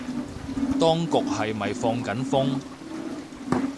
當局係咪放緊風